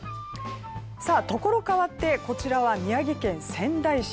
ところ変わってこちらは宮城県仙台市。